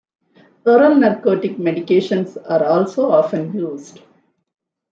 Oral narcotic medications are also often used.